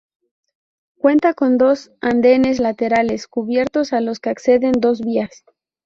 Cuenta con dos andenes laterales cubiertos a los que acceden dos vías.